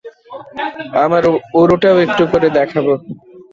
আমার উরুটাও একটু করে দেখাবো।